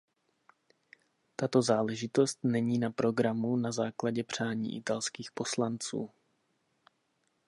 Tato záležitost není na programu na základě přání italských poslanců.